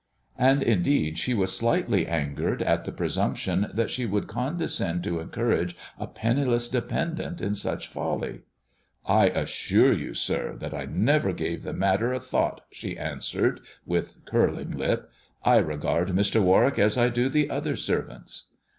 And, indeed, she was slightly angered at the presumption that she would condescend to encourage a penniless dependent in such folly. "I assure you, sir, that I never gave the matter a thought," she answered, with curling lip. " I regard Mr. Warwick as I do the other servants."